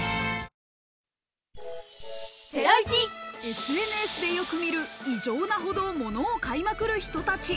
ＳＮＳでよく見る異常なほど物を買いまくる人たち。